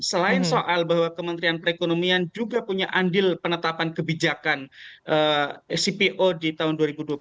selain soal bahwa kementerian perekonomian juga punya andil penetapan kebijakan cpo di tahun dua ribu dua puluh satu